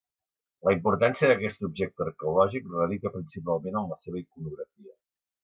La importància d'aquest objecte arqueològic radica principalment en la seva iconografia.